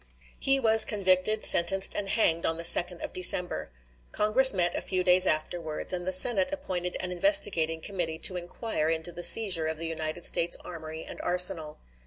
He was convicted, sentenced, and hanged on the 2d of December. Congress met a few days afterwards, and the Senate appointed an investigating committee to inquire into the seizure of the United States armory and arsenal.